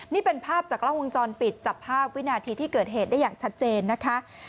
นี่เป็นภาพจากกล้องวงจรปิดจับภาพวินาทีที่เกิดเหตุได้อย่างชัดเจนนะคะ